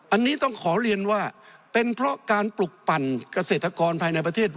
อันนี้ต้องขอเรียนว่าเป็นเพราะการปลุกปั่นเกษตรกรภายในประเทศ